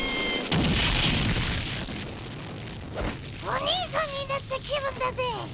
おにいさんになった気分だぜ。